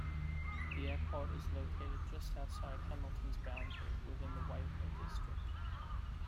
The airport is located just outside Hamilton's boundary, within the Waipa District.